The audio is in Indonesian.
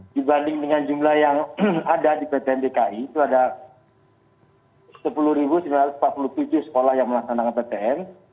dibanding dengan jumlah yang ada di ptm dki itu ada sepuluh sembilan ratus empat puluh tujuh sekolah yang melaksanakan ptm